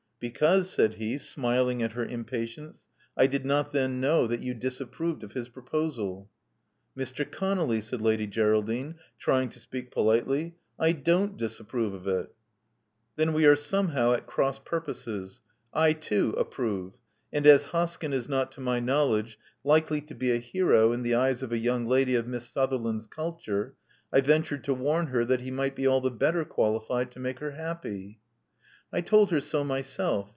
'' Because, said he, smiling at her impatience, I did not then know that you disapproved of his proposal.'* Mr. ConoUy," said Lady Geraldine, trying to speak politely: I don't disapprove of it." Then we are somehow at cross purposes. I too, approve; and as Hoskyn is not, to my knowledge, likely to be a hero in the eyes of a young lady of Miss Sutherland's culture, I ventured to warn her that he might be all the better qualified to make her happy." '*I told her so myself.